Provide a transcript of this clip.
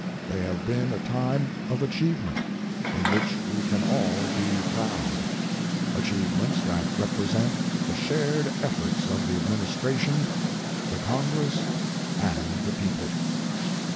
They have been a time of achievement in which we can all be proud, achievements that represent the shared efforts of the Administration, the Congress, and the people.